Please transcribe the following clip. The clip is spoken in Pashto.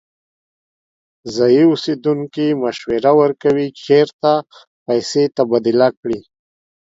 ځایی اوسیدونکی مشوره ورکوي چې چیرته پیسې تبادله کړي.